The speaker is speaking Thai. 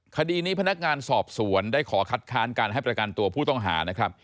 คดีนี้พนักงานสอบสวนได้ขอคัดค้านการให้ประกันตัวผู้ต้องหานะครับ